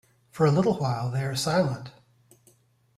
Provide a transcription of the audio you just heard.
For a little while they are silent.